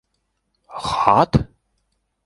Хат?!